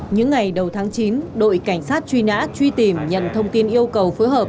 những ngày đầu tháng chín đội cảnh sát truy nã truy tìm nhận thông tin yêu cầu phối hợp